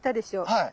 はい。